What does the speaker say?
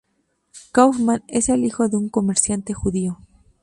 Kaufmann es el hijo de un comerciante judío.